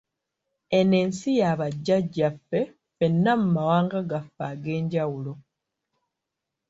Eno ensi ya bajjajjaffe ffenna mu mawanga gaffe ag’enjawulo.